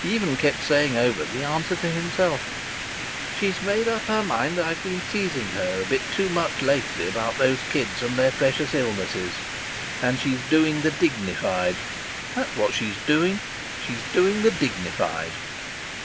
He even kept saying over the answer to himself: "She's made up her mind I've been teasing her a bit too much lately about those kids and their precious illnesses. And she's doing the dignified. That's what she's doing! She's doing the dignified!"